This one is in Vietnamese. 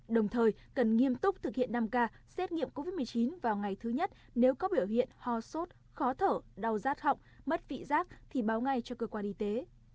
đồng thời cần nghiêm túc thực hiện năm k xét nghiệm covid một mươi chín vào ngày thứ nhất nếu có biểu hiện ho sốt khó thở đau rát họng mất vị giác thì báo ngay cho cơ quan y tế